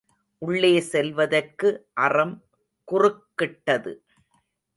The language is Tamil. உள்ளே செல்வதற்கு அறம் குறுக்– கிட்டது.